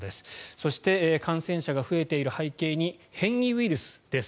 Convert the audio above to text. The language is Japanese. そして感染者が増えている背景に変異ウイルスです。